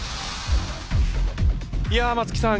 いや松木さん